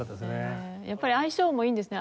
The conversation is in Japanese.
やっぱり相性もいいんですね。